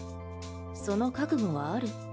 その覚悟はある？